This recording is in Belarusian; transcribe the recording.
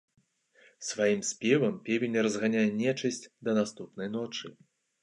Сваім спевам певень разганяе нечысць да наступнай ночы.